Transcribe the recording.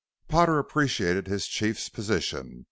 Potter appreciated his chief's position.